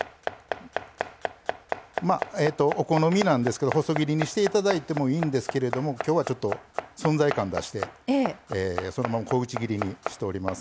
まあお好みなんですけど細切りにしていただいてもいいんですけれどもきょうは存在感出してそのまま小口切りにしております。